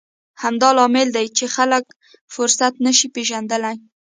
همدا لامل دی چې خلک فرصت نه شي پېژندلی.